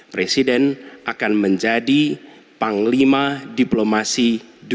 presiden akan menjadi panglima diplomasi dunia indonesia di tingkat ke lima